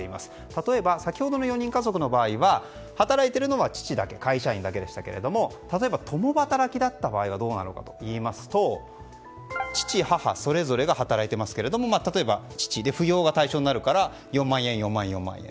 例えば先ほどの４人家族でいえば働いているのは会社員の父だけでしたが例えば、共働きだった場合はどうなるのかといいますと父母それぞれが働いていますが例えば父で扶養が対象になるから４万円、４万円、４万円。